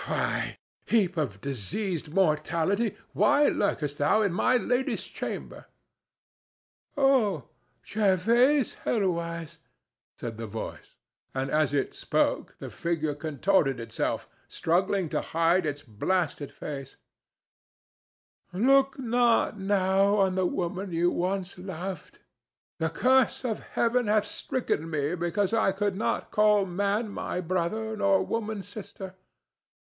Fie! Heap of diseased mortality, why lurkest thou in my lady's chamber?" "Oh, Jervase Helwyse," said the voice—and as it spoke the figure contorted itself, struggling to hide its blasted face—"look not now on the woman you once loved. The curse of Heaven hath stricken me because I would not call man my brother nor woman sister.